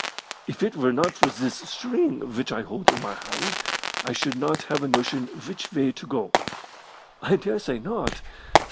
"If it were not for this string which I hold in my hand I should not have a notion which way to go." "I dare say not.